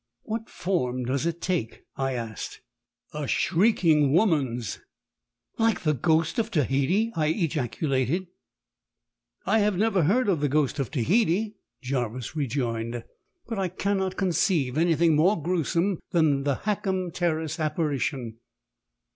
"What form does it take?" I asked. "A shrieking woman's." "Like the ghost of Tehiddy," I ejaculated. "I have never heard of the ghost of Tehiddy," Jarvis rejoined, "but I cannot conceive anything more gruesome than the Hackham Terrace apparition.